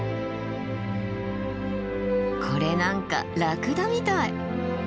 これなんかラクダみたい！